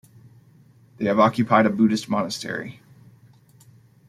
They have occupied a Buddhist monastery.